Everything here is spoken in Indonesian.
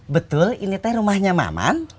betul ini teh rumahnya maman